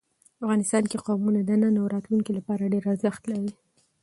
افغانستان کې قومونه د نن او راتلونکي لپاره ډېر ارزښت لري.